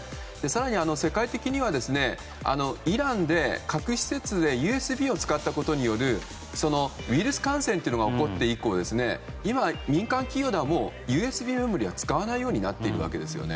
更に世界的にはイランで、核施設でＵＳＢを使ったことによるウイルス感染が起こって以降今、民間企業ではＵＳＢメモリーは使わないようになっているんです。